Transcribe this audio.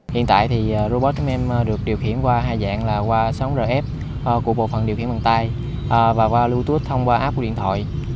hiện tại thì robot chúng em được điều khiển qua hai dạng là qua sóng rf của bộ phận điều khiển bằng tay và qua bluetooth thông qua app của điện thoại